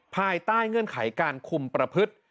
ภายใต้เงื่อนไขการคุมประพฤติ